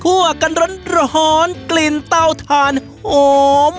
ั่วกันร้อนกลิ่นเต้าทานหอม